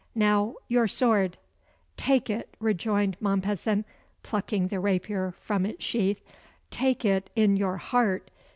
Now, your sword." "Take it," rejoined Mompesson, plucking the rapier from its sheath, "take it in your heart.